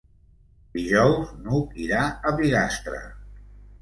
Dijous n'Hug irà a Bigastre.